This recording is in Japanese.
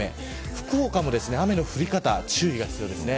福岡、雨の降り方に注意が必要です。